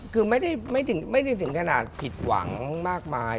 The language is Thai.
คือไม่ได้ถึงขนาดผิดหวังมากมาย